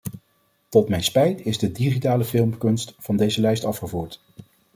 Tot mijn spijt is de digitale filmkunst van deze lijst afgevoerd.